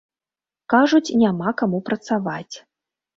Кажуць, няма каму працаваць.